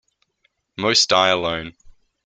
Most die alone.